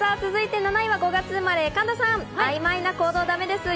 ７位は５月生まれ、神田さん。